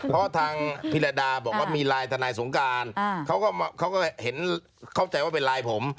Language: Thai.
เพราะทางพิรดาบอกว่ามีไลน์ทนายสงการเขาก็เห็นเข้าใจว่าเป็นไลน์ผม